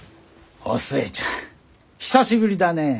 お寿恵ちゃん久しぶりだねえ！